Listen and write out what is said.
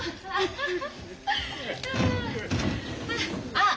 ・あっ